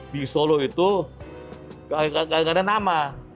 di solo itu gak ada nama